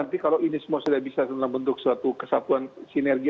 nanti kalau ini semua sudah bisa dalam bentuk suatu kesatuan sinergi